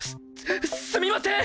すすみません！